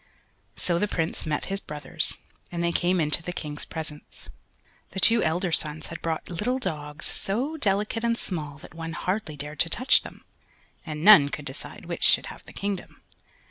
So the Prince met his brothers, and they came into the King's presence. The two elder sons had brought little dogs so delicate and small that one hardly dared to touch them, and none could decide which should have the kingdom.